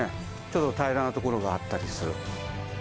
ちょっと平らな所があったりする。